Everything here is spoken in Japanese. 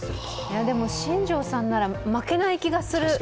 新庄さんなら負けない気がする。